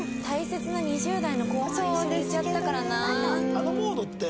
あのモードってでも。